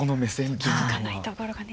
気づかないところがね。